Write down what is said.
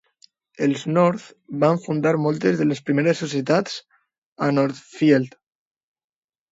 Els North van fundar moltes de les primeres societats a Northfield.